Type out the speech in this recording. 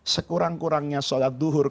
sekurang kurangnya sholat duhur